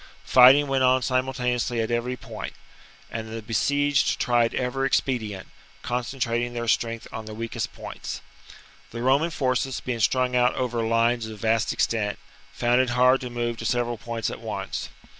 Fighting went on simultaneously at every point ; and the besieged tried every expedient, concentrating their strength on the weakest points. The Roman forces, being strung out over lines of vast extent, found it hard to move to several points at once.